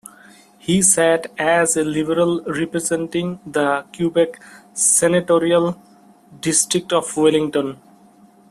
He sat as a Liberal representing the Quebec senatorial district of Wellington.